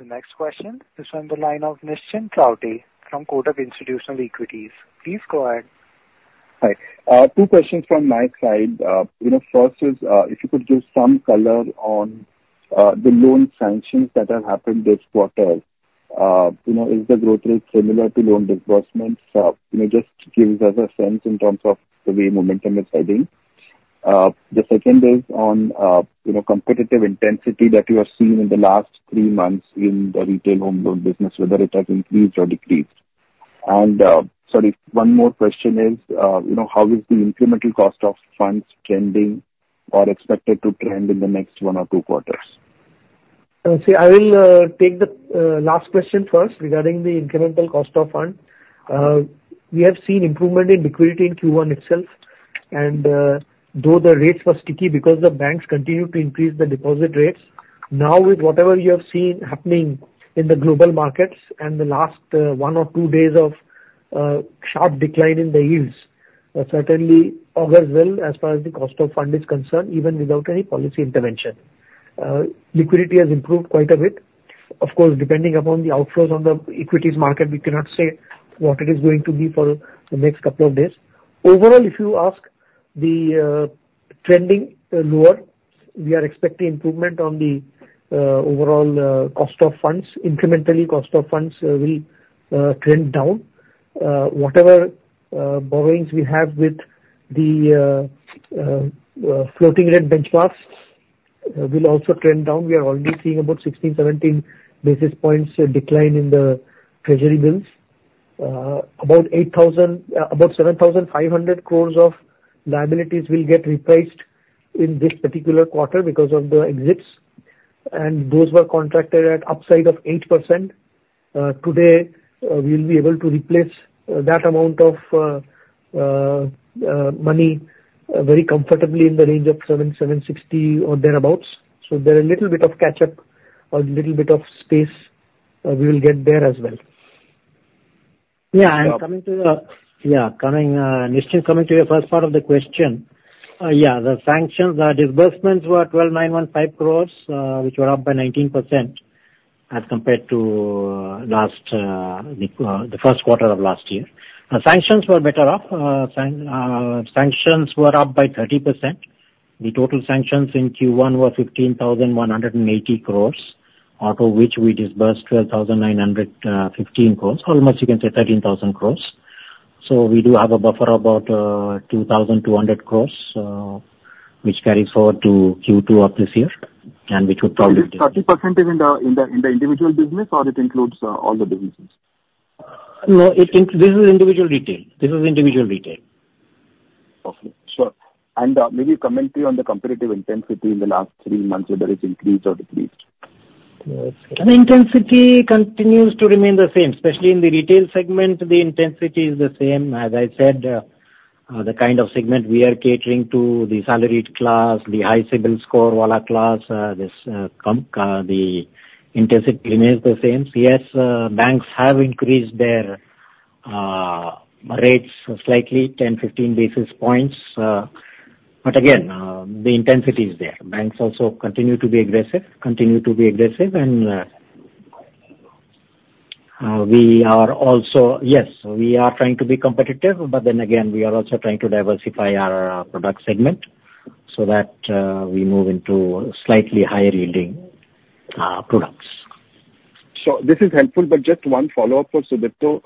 The next question is from the line of Nischint Chawathe from Kotak Institutional Equities. Please go ahead. Hi. Two questions from my side. You know, first is, if you could give some color on, the loan sanctions that have happened this quarter. You know, is the growth rate similar to loan disbursements? You know, just give us a sense in terms of the way momentum is heading. The second is on, you know, competitive intensity that you have seen in the last three months in the retail home loan business, whether it has increased or decreased. And, sorry, one more question is, you know, how is the incremental cost of funds trending or expected to trend in the next one or two quarters? See, I will take the last question first regarding the incremental cost of fund. We have seen improvement in liquidity in Q1 itself, and though the rates were sticky because the banks continued to increase the deposit rates, now with whatever you have seen happening in the global markets and the last one or two days of sharp decline in the yields-... certainly augurs well as far as the cost of fund is concerned, even without any policy intervention. Liquidity has improved quite a bit. Of course, depending upon the outflows on the equities market, we cannot say what it is going to be for the next couple of days. Overall, if you ask, the trending lower, we are expecting improvement on the overall cost of funds. Incrementally, cost of funds will trend down. Whatever borrowings we have with the floating rate benchmarks will also trend down. We are already seeing about 16-17 basis points decline in the Treasury Bills. About 7,500 crore of liabilities will get replaced in this particular quarter because of the exits, and those were contracted at upside of 8%. Today, we'll be able to replace that amount of money very comfortably in the range of 7.76 or thereabouts. So there are a little bit of catch-up or little bit of space, we will get there as well. Yeah. And coming to the- Yeah. Yeah, coming, Nischint, coming to your first part of the question. Yeah, the sanctions, the disbursements were 12,915 crores, which were up by 19% as compared to last, the first quarter of last year. Sanctions were better off. Sanctions were up by 30%. The total sanctions in Q1 were 15,180 crores, out of which we disbursed 12,915 crores, almost you can say 13,000 crores. So we do have a buffer about 2,200 crores, which carries forward to Q2 of this year, and which would probably- 30% is in the individual business, or it includes all the businesses? No, this is individual retail. This is individual retail. Okay. Sure. And, maybe comment to you on the competitive intensity in the last three months, whether it's increased or decreased? The intensity continues to remain the same, especially in the retail segment, the intensity is the same. As I said, the kind of segment we are catering to, the salaried class, the high CIBIL score wala class, this, the intensity remains the same. Yes, banks have increased their rates slightly 10-15 basis points, but again, the intensity is there. Banks also continue to be aggressive, continue to be aggressive, and we are also... Yes, we are trying to be competitive, but then again, we are also trying to diversify our product segment so that we move into slightly higher-yielding products. So this is helpful, but just one follow-up for Sudipto.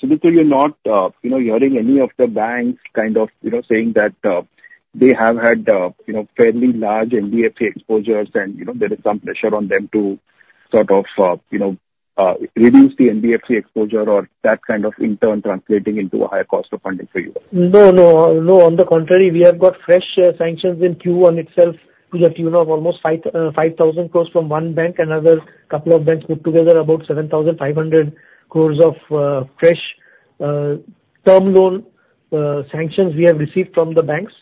Sudipto, you're not, you know, hearing any of the banks kind of, you know, saying that, they have had, you know, fairly large NBFC exposures and, you know, there is some pressure on them to sort of, you know, reduce the NBFC exposure or that kind of in turn translating into a higher cost of funding for you? No, no. No, on the contrary, we have got fresh sanctions in Q1 itself to the tune of almost 5,000 crore from one bank, another couple of banks put together, about 7,500 crore of fresh term loan sanctions we have received from the banks.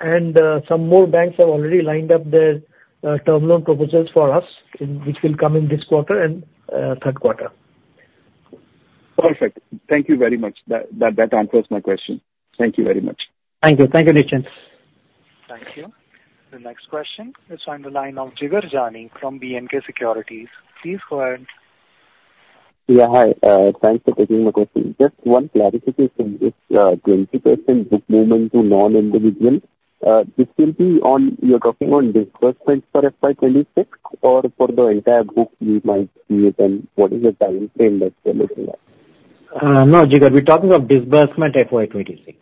And, some more banks have already lined up their term loan proposals for us, in which will come in this quarter and third quarter. Perfect. Thank you very much. That answers my question. Thank you very much. Thank you. Thank you, Nischint. Thank you. The next question is on the line of Jigar Jani from B&K Securities. Please go ahead. Yeah, hi, thanks for taking my question. Just one clarification. This, 20% book movement to non-individual, this will be on, you're talking on disbursements for FY 2026, or for the entire book you might see it, and what is the timeframe that you're looking at? No, Jigar, we're talking of disbursement FY 2026.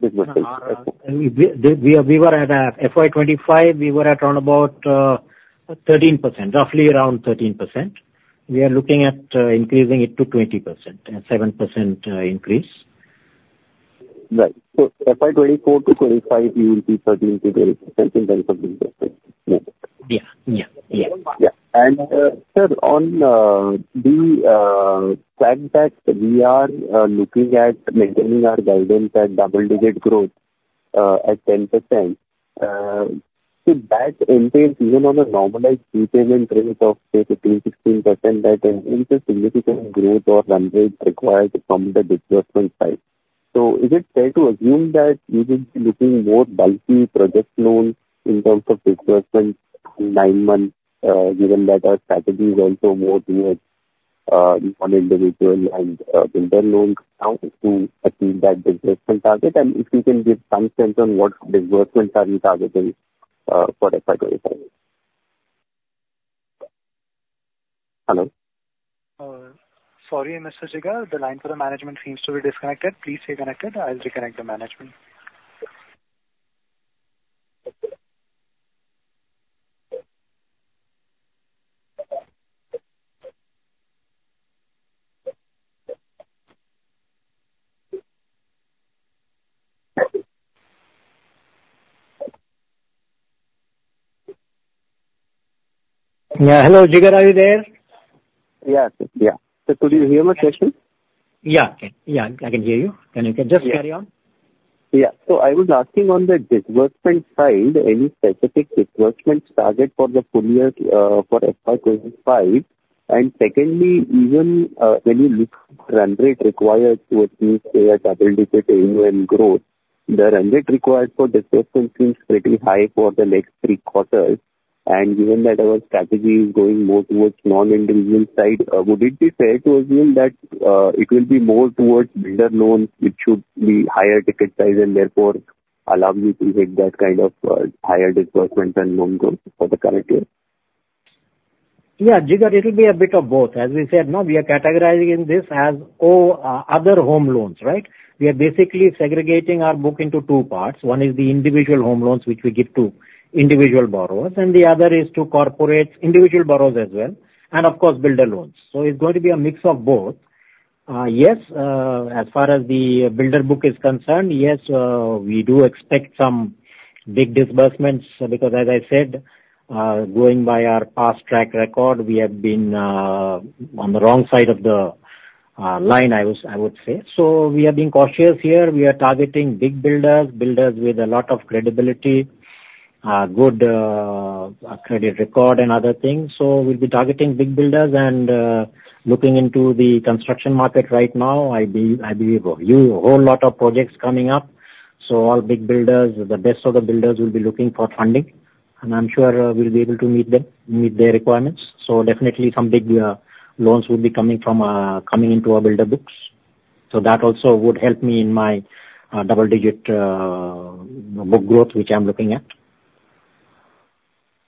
Disbursement, okay. We were at FY 2025, we were at around about 13%, roughly around 13%. We are looking at increasing it to 20%, 7% increase. Right. So FY 2024-2025, we will be 13%-20% in terms of disbursement. Yeah. Yeah. Yeah. Yeah. And, sir, on the fact that we are looking at maintaining our guidance at double digit growth at 10%, so that entails even on a normalized repayment rate of, say, between 16%, that entails a significant growth or run rate required from the disbursement side. So is it fair to assume that you will be looking more bulky project loans in terms of disbursements in 9 months, given that our strategy is also more towards on individual and builder loans now to achieve that disbursement target? And if you can give some sense on what disbursements are you targeting for FY 2025? Hello? Sorry, Mr. Jigar, the line for the management seems to be disconnected. Please stay connected. I'll reconnect the management. Yeah. Hello, Jigar, are you there? Yes. Yeah. Sir, could you hear my question? Yeah. Yeah, I can hear you. Yeah. Can you just carry on?... Yeah. So I was asking on the disbursement side, any specific disbursement target for the full year, for FY25? And secondly, even when you look at run rate required towards the, say, a double-digit annual growth, the run rate required for disbursement seems pretty high for the next three quarters. And given that our strategy is going more towards non-individual side, would it be fair to assume that, it will be more towards builder loans, which should be higher ticket size and therefore allow you to hit that kind of, higher disbursement and loan growth for the current year? Yeah, Jigar, it'll be a bit of both. As we said, no, we are categorizing this as other home loans, right? We are basically segregating our book into two parts. One is the individual home loans, which we give to individual borrowers, and the other is to corporates, individual borrowers as well, and of course, builder loans. So it's going to be a mix of both. Yes, as far as the builder book is concerned, yes, we do expect some big disbursements, because as I said, going by our past track record, we have been on the wrong side of the line, I would say. So we are being cautious here. We are targeting big builders, builders with a lot of credibility, good credit record and other things. So we'll be targeting big builders and, looking into the construction market right now, I believe a whole lot of projects coming up, so all big builders, the best of the builders will be looking for funding, and I'm sure we'll be able to meet them, meet their requirements. So definitely some big loans will be coming into our builder books. So that also would help me in my double digit book growth, which I'm looking at.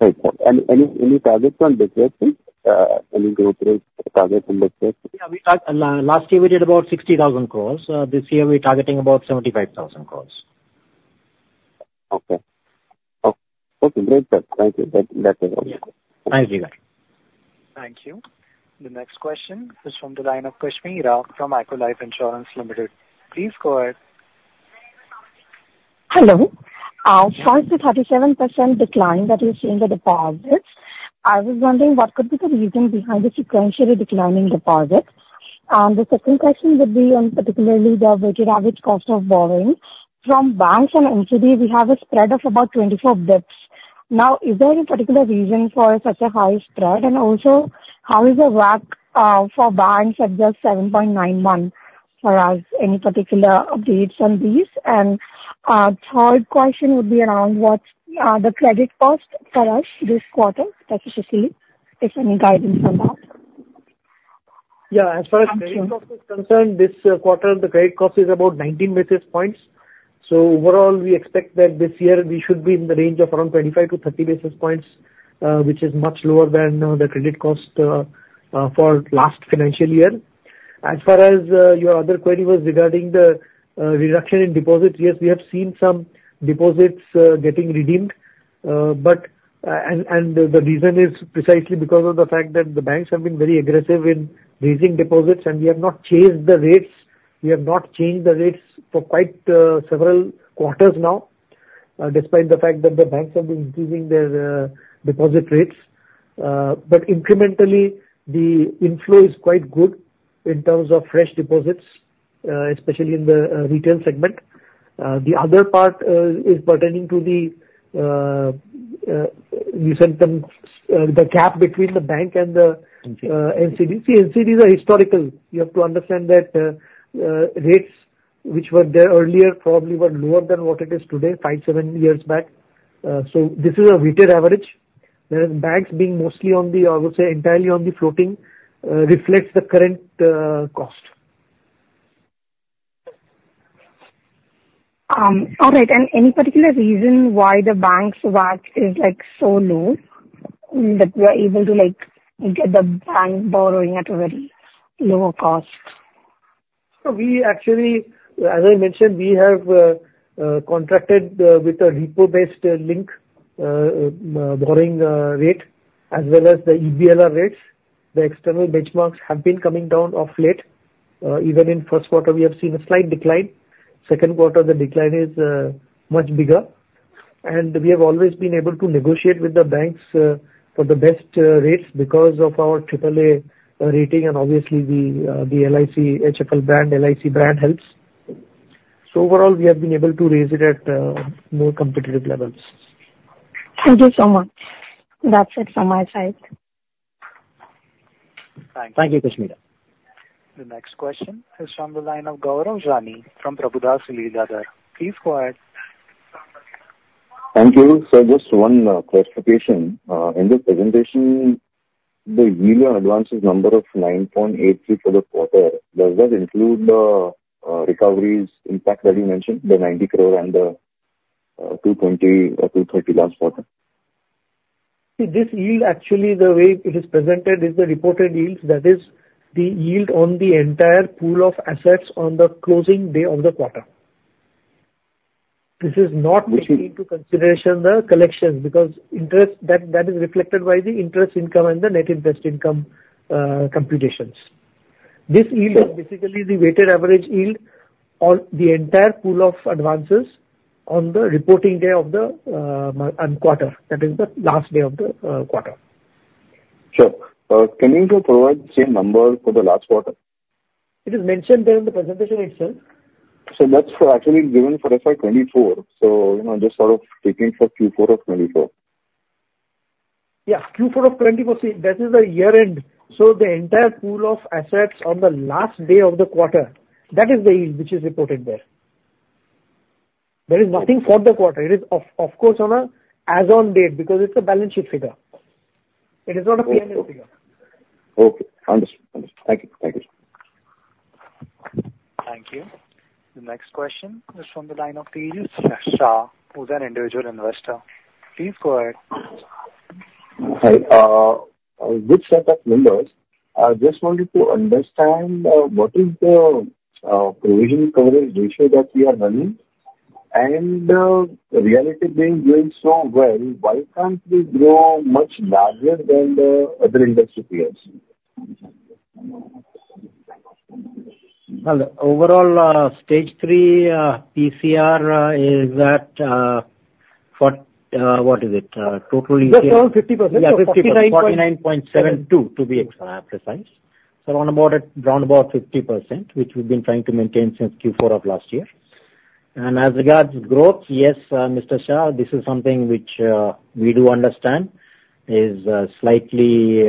Right. And, any, any targets on disbursements? Any growth rate target on disbursements? Yeah, last year we did about 60,000 crore. This year we're targeting about 75,000 crore. Okay, great. Thank you. That, that is all. Thanks, Jigar. Thank you. The next question is from the line of Kashmira from ACKO Life Insurance Limited. Please go ahead. Hello. First, the 37% decline that we see in the deposits, I was wondering what could be the reason behind the sequentially declining deposits? And the second question would be on particularly the weighted average cost of borrowing. From banks and NCD, we have a spread of about 24 bps. Now, is there any particular reason for such a high spread? And also, how is the WAC, for banks at just 7.91? For us, any particular updates on these? And, third question would be around what's, the credit cost for us this quarter, specifically, if any guidance on that? Yeah, as far as credit cost is concerned, this quarter, the credit cost is about 19 basis points. So overall, we expect that this year we should be in the range of around 25-30 basis points, which is much lower than the credit cost for last financial year. As far as your other query was regarding the reduction in deposits, yes, we have seen some deposits getting redeemed, but, and the reason is precisely because of the fact that the banks have been very aggressive in raising deposits, and we have not changed the rates. We have not changed the rates for quite several quarters now, despite the fact that the banks have been increasing their deposit rates. But incrementally, the inflow is quite good in terms of fresh deposits, especially in the retail segment. The other part is pertaining to the, you said the, the gap between the bank and the- NCD. NCD. See, NCDs are historical. You have to understand that, rates which were there earlier probably were lower than what it is today, five, seven years back. So this is a weighted average. Whereas banks being mostly on the, I would say, entirely on the floating, reflects the current, cost. All right. Any particular reason why the bank's WAC is, like, so low, that we are able to, like, get the bank borrowing at a very lower cost? So we actually, as I mentioned, we have contracted with a repo-based link borrowing rate, as well as the EBLR rates. The external benchmarks have been coming down of late. Even in first quarter, we have seen a slight decline. Second quarter, the decline is much bigger. And we have always been able to negotiate with the banks for the best rates because of our triple A rating and obviously the the LIC HFL brand, LIC brand helps. So overall, we have been able to raise it at more competitive levels. Thank you so much. That's it from my side. Thank you, Kashmira. The next question is from the line of Gaurav Jani, from Prabhudas Lilladher. Please go ahead. Thank you. So just one clarification. In the presentation, the yield on advances number of 9.83 for the quarter, does that include the recoveries impact that you mentioned, the 90 crore and the 220 or 230 last quarter? See, this yield, actually, the way it is presented is the reported yields, that is the yield on the entire pool of assets on the closing day of the quarter. This does not- Okay. Take into consideration the collections, because interest, that, that is reflected by the interest income and the net interest income computations. This yield is basically the weighted average yield on the entire pool of advances on the reporting day of the month and quarter, that is the last day of the quarter.... Sure. Can you provide the same number for the last quarter? It is mentioned there in the presentation itself. So that's for actually given for FY 2024, so, you know, just sort of taking for Q4 of 2024. Yeah, Q4 of 2024, see, that is the year-end, so the entire pool of assets on the last day of the quarter, that is the yield which is reported there. There is nothing for the quarter. It is, of course, on an as-on-date, because it's a balance sheet figure. It is not a P&L figure. Okay. Understood. Understood. Thank you. Thank you. Thank you. The next question is from the line of Tejas Shah, who's an individual investor. Please go ahead. Hi. A good set of numbers. I just wanted to understand, what is the, provision coverage ratio that we are running? And, Reality Bank doing so well, why can't we grow much larger than the other industry peers? Well, overall, Stage 3, PCR, is at, what, what is it? Totally- Just around 50%. Yeah, 49.72, to be exact, precise. So around 50%, which we've been trying to maintain since Q4 of last year. And as regards growth, yes, Mr. Shah, this is something which we do understand is slightly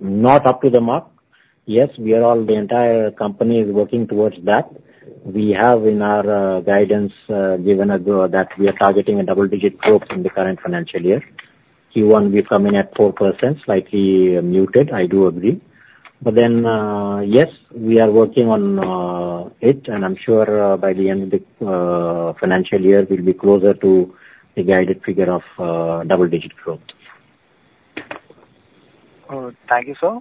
not up to the mark. Yes, we are all, the entire company is working towards that. We have in our guidance given a goal that we are targeting a double-digit growth in the current financial year. Q1, we come in at 4%, slightly muted, I do agree. But then, yes, we are working on it, and I'm sure by the end of the financial year, we'll be closer to the guided figure of double-digit growth. Thank you, sir.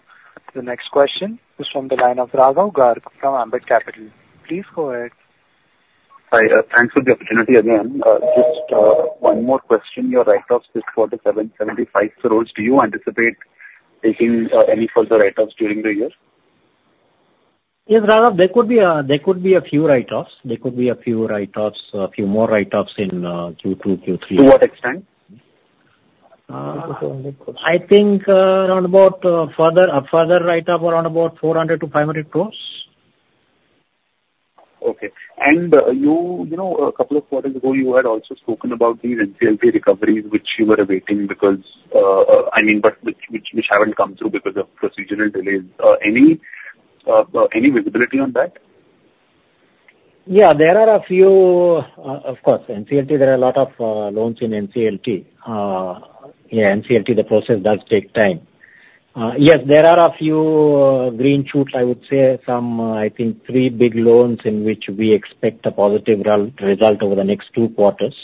The next question is from the line of Raghav Garg from Ambit Capital. Please go ahead. Hi, thanks for the opportunity again. Just one more question. Your write-offs is for the 775 crore. Do you anticipate making any further write-offs during the year? Yes, Raghav, there could be a few write-offs. There could be a few write-offs, a few more write-offs in Q2, Q3. To what extent? I think around about a further write-off around about 400 crore-500 crore. Okay. And you know, a couple of quarters ago, you had also spoken about these NCLT recoveries which you were awaiting because, I mean, but which haven't come through because of procedural delays. Any visibility on that? Yeah, there are a few. Of course, NCLT, there are a lot of loans in NCLT. Yeah, NCLT, the process does take time. Yes, there are a few green shoots, I would say. Some, I think three big loans in which we expect a positive result over the next two quarters.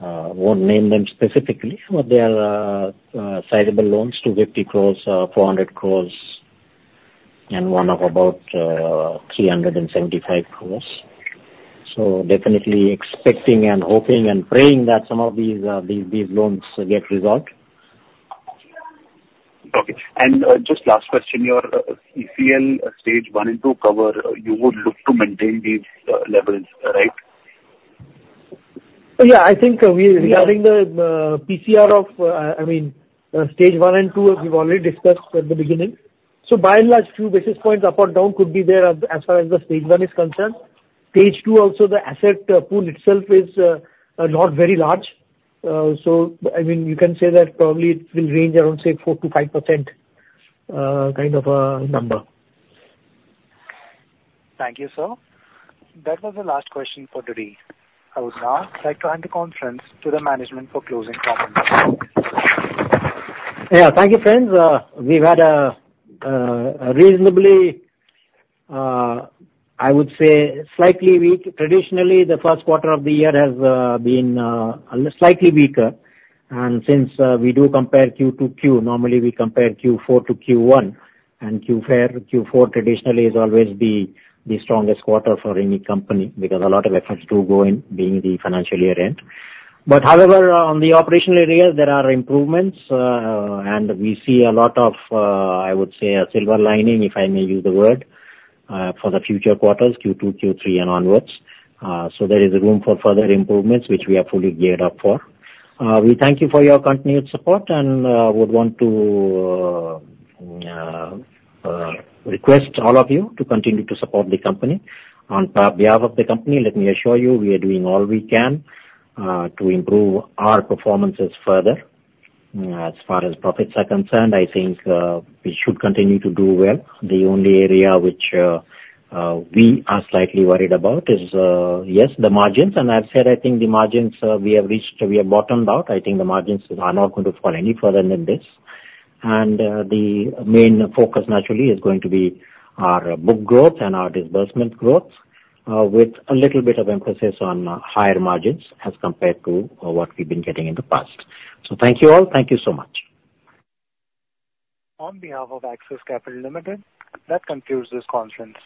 Won't name them specifically, but they are sizable loans, 250 crores, 400 crores, and one of about 375 crores. So definitely expecting and hoping and praying that some of these loans get resolved. Okay. And, just last question, your ECL Stage 1 and 2 coverage, you would look to maintain these levels, right? Yeah, I think we- Yeah. Regarding the PCR of, I mean, Stage 1 and 2, we've already discussed at the beginning. So by and large, few basis points up or down could be there as far as the Stage 1 is concerned. Stage 2 also, the asset pool itself is not very large. So I mean, you can say that probably it will range around, say, 4%-5% kind of a number. Thank you, sir. That was the last question for today. I would now like to hand the conference to the management for closing comments. Yeah, thank you, friends. We've had a reasonably, I would say slightly weak... Traditionally, the first quarter of the year has been slightly weaker. Since we do compare Q to Q, normally we compare Q4 to Q1, and Q4 traditionally is always the strongest quarter for any company, because a lot of efforts do go in being the financial year-end. But however, on the operational area, there are improvements, and we see a lot of, I would say a silver lining, if I may use the word, for the future quarters, Q2, Q3, and onwards. So there is room for further improvements, which we are fully geared up for. We thank you for your continued support, and would want to request all of you to continue to support the company. On behalf of the company, let me assure you, we are doing all we can to improve our performance further. As far as profits are concerned, I think we should continue to do well. The only area which we are slightly worried about is, yes, the margins. And as said, I think the margins we have reached, we have bottomed out. I think the margins are not going to fall any further than this. And the main focus naturally is going to be our book growth and our disbursement growth with a little bit of emphasis on higher margins as compared to what we've been getting in the past. So thank you all. Thank you so much. On behalf of Axis Capital Limited, that concludes this conference.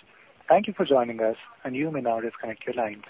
Thank you for joining us, and you may now disconnect your lines.